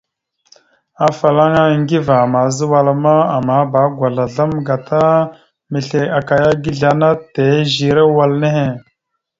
Afalaŋa Aŋgiva àmaza wala ma, amahba agwazl azzlam gata misle akaya aga izle ana tèzire wal nehe.